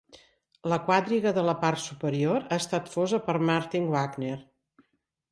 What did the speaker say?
La quadriga de la part superior ha estat fosa per Martin Wagner.